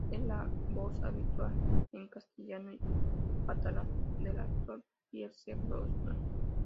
Es la voz habitual, en castellano y catalán, del actor Pierce Brosnan.